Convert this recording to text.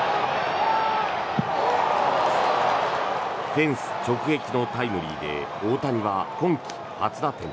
フェンス直撃のタイムリーで大谷は今季初打点。